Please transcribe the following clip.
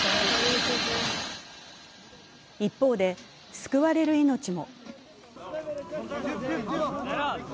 一方で救われる命も。